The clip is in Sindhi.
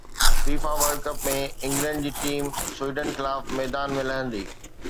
فيفا ورلڊ ڪپ ۾ انگلينڊ جي ٽيم سويڊن خلاف ميدان ۾ لهندي